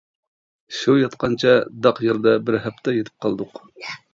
شۇ ياتقانچە داق يەردە بىر ھەپتە يېتىپ قالدۇق.